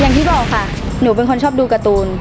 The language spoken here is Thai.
อย่างที่บอกค่ะหนูเป็นคนชอบดูการ์ตูน